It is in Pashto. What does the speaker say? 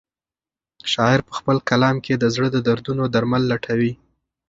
شاعر په خپل کلام کې د زړه د دردونو درمل لټوي.